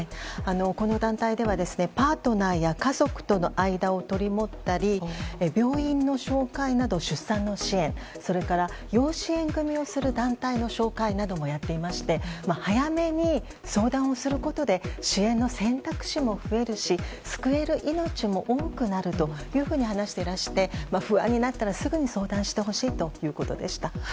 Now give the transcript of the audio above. この団体ではパートナーや家族との間を取り持ったり病院の紹介など出産の支援それから養子縁組をする団体の紹介などもやっていまして早めに相談をすることで支援の選択肢も増えるし救える命も多くなるというふうに話していらして不安になったらすぐに相談してほしいということでした。